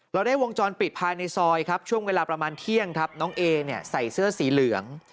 เราได้วงจรปิดภายในซอยครับช่วงเวลาประมาณเที่ยงครับน้องเอเนี่ยใส่เสื้อสีเหลือง